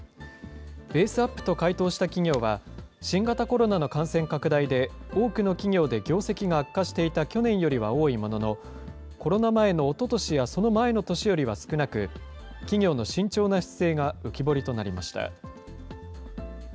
ベースアップと回答した企業は、新型コロナの感染拡大で多くの企業で業績が悪化していた去年よりは多いものの、コロナ前のおととしやその前の年よりは少なく、企業の慎重な姿勢が浮き彫りとなりました。